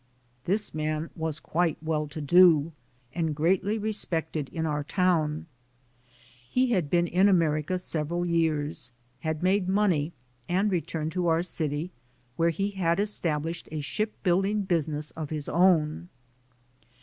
This man was quite well to do, and greatly respected in our town. He had been in America several years, had AMEEICA 63 made money and returned to our city, where he had established a shipbuilding business of his own.